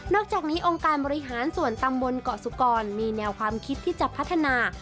อกจากนี้องค์การบริหารส่วนตำบลเกาะสุกรมีแนวความคิดที่จะพัฒนา